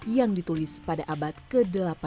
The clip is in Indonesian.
yang ditulis pada abad ke delapan belas